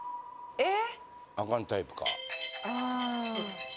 ・えっ！？